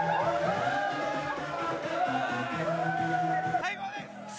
最高です！